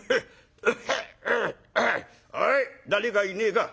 「おい誰かいねえか。